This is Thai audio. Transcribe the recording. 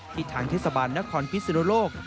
ที่ทางทศาบาลนครพิศนุโลก